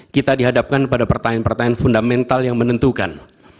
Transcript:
kita dihadapkan pada pertanyaan pertanyaan fundamental yang menentukan